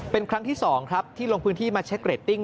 เป็นครั้งที่๒ครับที่ลงพื้นที่มาเช็คเรตติ้ง